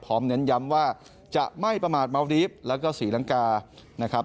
เน้นย้ำว่าจะไม่ประมาทเมารีฟแล้วก็ศรีลังกานะครับ